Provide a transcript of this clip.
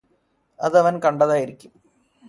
അതവൻ കണ്ടതായിരിക്കും.